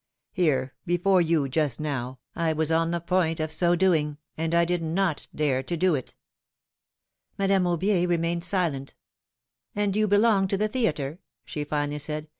Here, before you, just now, I was on the point of so doing, and I did not dare to do it.^^ Madame Aubier remained silent. ^^And you belong to the theatre? she finally said.